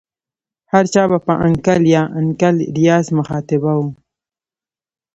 هر چا په انکل یا انکل ریاض مخاطبه وه.